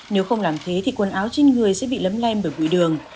nếu không làm thế thì quần áo trên người sẽ bị lấm lem bởi bụi đường